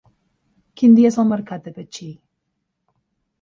Quin dia és el mercat de Betxí?